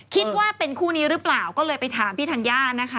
คิดว่าเป็นคู่นี้หรือเปล่าก็เลยไปถามพี่ธัญญานะคะ